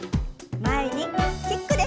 前にキックです。